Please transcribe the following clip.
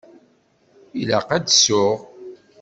Ilaq ad d-ssuɣ.